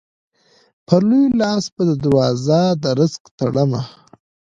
په لوی لاس به دروازه د رزق تړمه